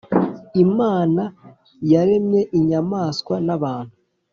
Imana yaremye inyamaswa na bantu